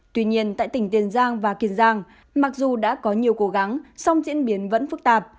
tuy nhiên tại tỉnh tiền giang và kiên giang mặc dù đã có nhiều cố gắng song diễn biến vẫn phức tạp